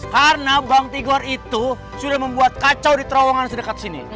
karena bang tigor itu sudah membuat kacau di terowongan sedekat sini